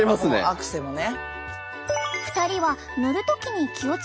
アクセもね。